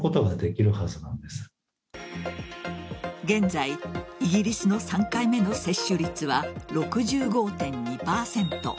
現在、イギリスの３回目の接種率は６５．２％。